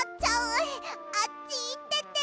あっちいってて！